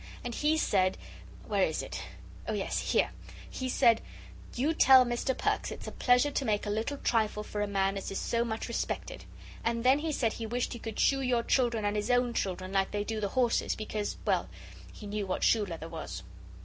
And he said where is it? Oh, yes, here! He said, 'You tell Mr. Perks it's a pleasure to make a little trifle for a man as is so much respected,' and then he said he wished he could shoe your children and his own children, like they do the horses, because, well, he knew what shoe leather was."